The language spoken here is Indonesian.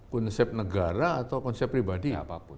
konsep negara atau konsep pribadi apapun